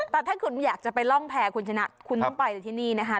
แต่ถ้าคุณอยากจะไปร่องแพร่คุณชนะคุณต้องไปเลยที่นี่นะคะ